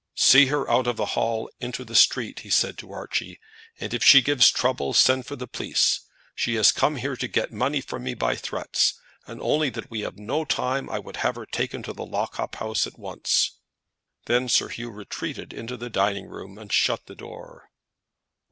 "See her out of the hall, into the street," he said to Archie; "and if she gives trouble, send for the police. She has come here to get money from me by threats, and only that we have no time, I would have her taken to the lock up house at once." Then Sir Hugh retreated into the dining room and shut the door.